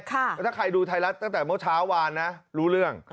ถ้าใครดูไทยรัฐตั้งแต่เมื่อเช้าวานนะรู้เรื่อง